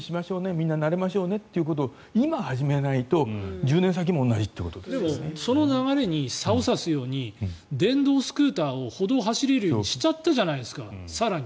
皆、慣れましょうねということを今始めないとでも、その流れにさおさすように電動スクーターを歩道が走れるようにしちゃったじゃないですか更に。